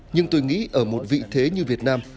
nhưng tôi nghĩ ở một vị thế như việt nam